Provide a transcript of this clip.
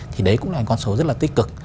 thì đấy cũng là một con số rất là tích cực